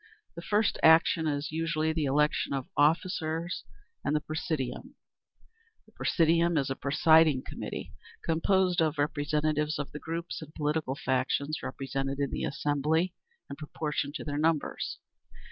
The first action is usually the election of officers and the presidium. The presidium is a presiding committee, composed of representatives of the groups and political factions represented in the assembly, in proportion to their numbers.